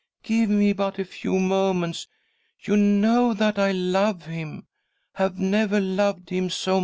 Give me but a few moments. You know that I love him, have never loved him so.